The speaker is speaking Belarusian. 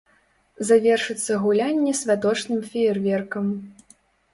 Завершыцца гулянне святочным феерверкам.